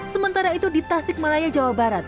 sementara itu di tasik malaya jawa barat